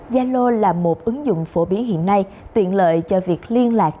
yalo là một ứng dụng phổ biến hiện nay tiện lợi cho việc liên lạc